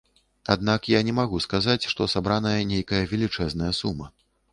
Аднак я не магу сказаць, што сабраная нейкая велічэзная сума.